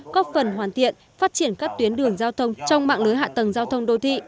có phần hoàn thiện phát triển các tuyến đường giao thông trong mạng lưới hạ tầng giao thông đô thị